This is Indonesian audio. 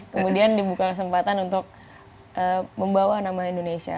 kemudian dibuka kesempatan untuk membawa nama indonesia